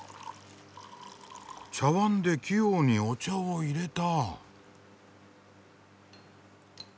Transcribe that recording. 茶わんで器用にお茶をいれた。